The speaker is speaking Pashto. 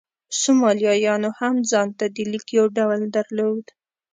سومالیایانو هم ځان ته د لیک یو ډول درلود.